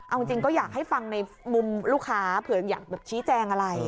เอาจริงก็อยากให้ฟังในมุมลูกค้าเผื่ออยากชี้แจงอะไร